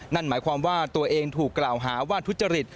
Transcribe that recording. นั่นหมายความว่าตัวเองถูกกล่าวหาว่าทุจริต